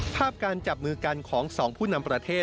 ภาพการจับมือกันของ๒ผู้นำประเทศ